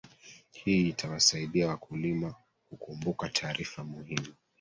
hii itawasaidia wakulima kukumbuka taarifa muhimu